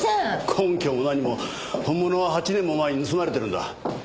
根拠も何も本物は８年も前に盗まれてるんだ。